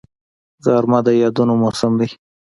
غرمه د یادونو موسم دی